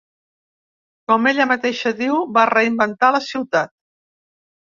Com ella mateixa diu, va reinventar la ciutat.